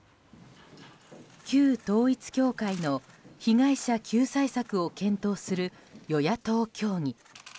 旧統一教会の被害者救済策を検討する与野党協議。